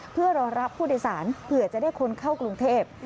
เพื่อรอรับผู้โดยสารเผื่อจะได้คนเข้ากรุงเทพ